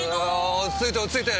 落ち着いて落ち着いて。